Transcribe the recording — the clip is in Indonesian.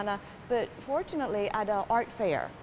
tapi beruntungnya ada art fair